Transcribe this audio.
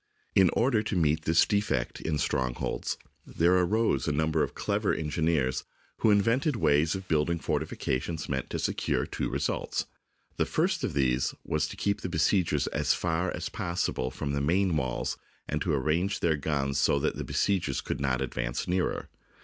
In order to meet this defect in strongholds, there arose THE BOOK OF FAMOUS SIEGES a number of clever engineers, who invented ways of building fortifications meant to secure two re sults. The first of these was to keep the besiegers as far as possible from the main walls and to ar range their own guns so that the besiegers could not advance nearer.